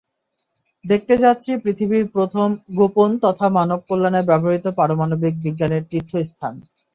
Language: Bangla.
দেখতে যাচ্ছি পৃথিবীর প্রথম, গোপন তথা মানব কল্যাণে ব্যবহৃত পারমাণবিক বিজ্ঞানের তীর্থস্থান।